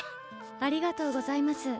ありがとうございます。